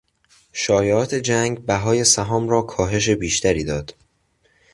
شایعات جنگ بهای سهام را کاهش بیشتری داد.